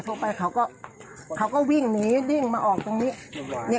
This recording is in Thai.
โทรไปเขาก็เขาก็วิ่งหนีวิ่งมาออกตรงนี้